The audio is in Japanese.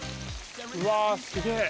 うわすげぇ。